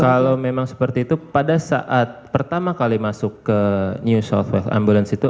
kalau memang seperti itu pada saat pertama kali masuk ke new south wales ambulans itu